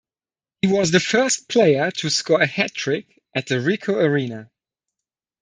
He was the first player to score a hat-trick at the Ricoh Arena.